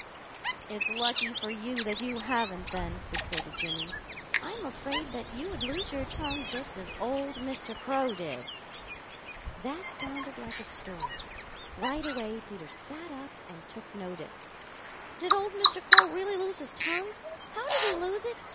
"It's lucky for you that you haven't then," retorted Jimmy. "I'm afraid that you would lose your tongue just as old Mr. Crow did." That sounded like a story. Right away Peter sat up and took notice. "Did old Mr. Crow really lose his tongue? How did he lose it?